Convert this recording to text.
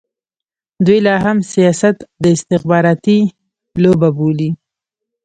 دوی لا هم سیاست د استخباراتي لوبه بولي.